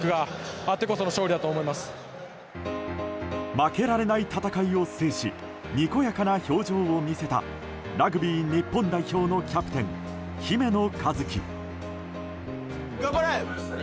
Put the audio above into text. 負けられない戦いを制しにこやかな表情を見せたラグビー日本代表のキャプテン姫野和樹。